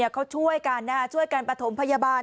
เขาช่วยกันช่วยกันประถมพยาบาล